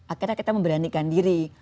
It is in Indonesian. akhirnya kita memberanikan diri